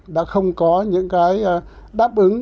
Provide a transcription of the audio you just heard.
đã không có những cái đáp ứng